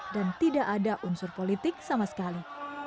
dan tidak ada unsur politik sama sekali